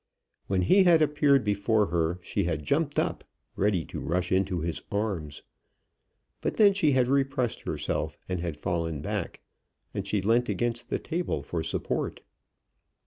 When he had appeared before her, she had jumped up, ready to rush into his arms; but then she had repressed herself, and had fallen back, and she leant against the table for support.